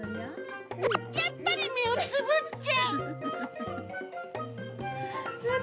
やっぱり目をつぶっちゃう。